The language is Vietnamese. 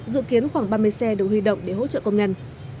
dự kiến khoảng ba mươi xe được huy động để hỗ trợ công nhân